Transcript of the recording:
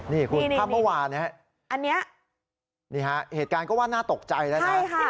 นี่คุณถ้าเมื่อวานนะฮะอันนี้นี่ฮะเหตุการณ์ก็ว่าน่าตกใจนะฮะใช่ค่ะ